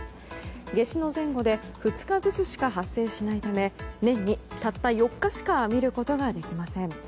夏至の前後で２日ずつしか発生しないため年に、たった４日しか見ることができません。